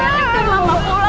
udah cepetan cepetan